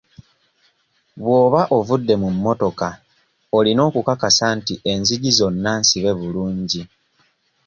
Bw'oba ovudde mu mmotoka olina okukakasa nti enzigi zonna nsibe bulungi.